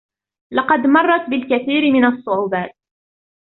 لقد مرَّت بالكثير من الصعوبات.